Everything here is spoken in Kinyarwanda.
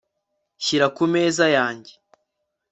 Shyira ku meza yanjye